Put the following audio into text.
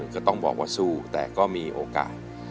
ก็ต้องบอกว่าสู้แต่ก็มีโอกาส